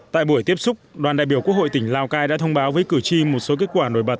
tại buổi tiếp xúc đoàn đại biểu quốc hội tỉnh lào cai đã thông báo với cử tri một số kết quả nổi bật